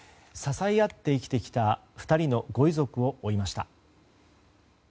支え合って生きてきた２人のご遺族を追いました。